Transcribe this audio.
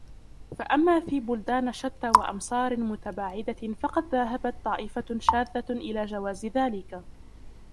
فَأَمَّا فِي بُلْدَانَ شَتَّى وَأَمْصَارٍ مُتَبَاعِدَةٍ فَقَدْ ذَهَبَتْ طَائِفَةٌ شَاذَّةٌ إلَى جَوَازِ ذَلِكَ